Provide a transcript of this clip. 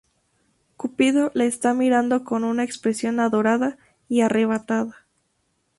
Cupido la está mirando con una expresión adorada y arrebatada.